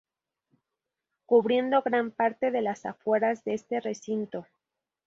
Cubriendo gran parte de las afueras de este recinto.